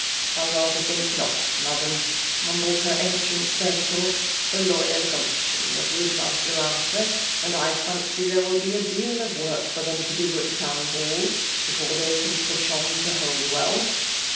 .<^ I rather think not, Madam,^' mumbled her ancient servitor, for Lawyer Gumption was wilH/Master Arthur, and I &ncy there will be ^^desA'oEirdrk for them to do at the Town Hatt, before they can push on to Holywell.